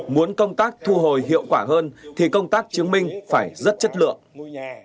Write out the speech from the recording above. muốn công tác thu hồi hiệu quả hơn thì công tác chứng minh phải rất chất lượng